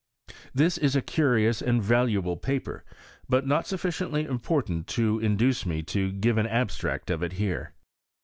This is a curious and valuable paper ; but not sufficiently im portant to induce me to give an abstract of it here.